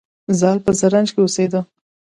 زال په زرنج کې اوسیده